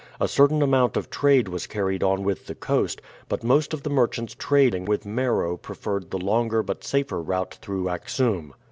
A certain amount of trade was carried on with the coast, but most of the merchants trading with Meroe preferred the longer but safer route through Axoum.